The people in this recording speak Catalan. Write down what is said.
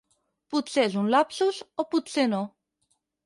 Potser és un lapsus o potser no.